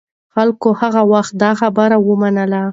خلکو هغه وخت دا خبرې ومنلې.